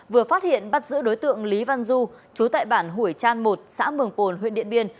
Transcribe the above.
vừa phát hiện bắt giữ đối tượng lý văn du chú tại bản hủy trang một xã mường pồn huyện điện biên